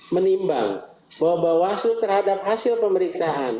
menimbang bahwa bawaslu terhadap hasil pemeriksaan